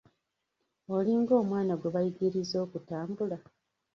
Olinga omwana gwe bayigiriza okutambula.